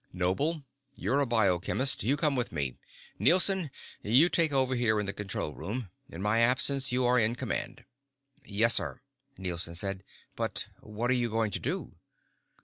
"Noble, you're a bio chemist. You come with me. Nielson, you take over here in the control room. In my absence you are in command." "Yes sir," Nielson said. "But what are you going to do?"